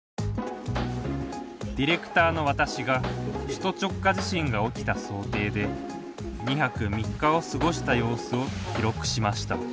ディレクターの私が首都直下地震が起きた想定で２泊３日を過ごした様子を記録しました。